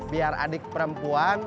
biar adik perempuan